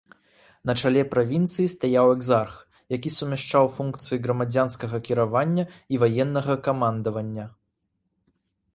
На чале правінцыі стаяў экзарх, які сумяшчаў функцыі грамадзянскага кіравання і ваеннага камандавання.